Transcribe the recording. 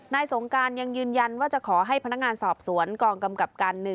สงการยังยืนยันว่าจะขอให้พนักงานสอบสวนกองกำกับการ๑